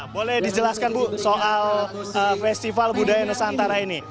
boleh dijelaskan bu soal festival budaya nusantara ini